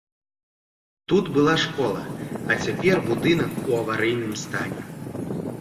Тут была школа, а цяпер будынак у аварыйным стане.